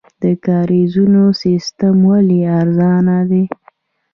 د کاریزونو سیستم ولې ارزانه دی؟